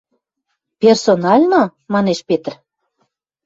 — Персонально? — манеш Петр.